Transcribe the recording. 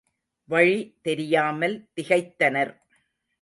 வழி தெரியாமல் திகைத்தனர்.